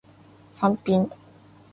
サンピン